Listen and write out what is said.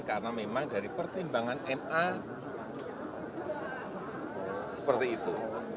karena memang dari pertimbangan na seperti itu